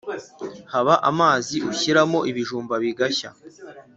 Haba amazi ushyiramo ibijumba bigashya